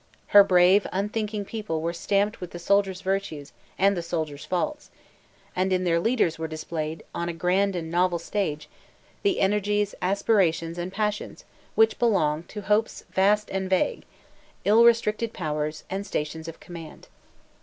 Her brave, unthinking people were stamped with the soldier's virtues and the soldier's faults; and in their leaders were displayed, on a grand and novel stage, the energies, aspirations, and passions which belong to hopes vast and vague, ill restricted powers, and stations of command.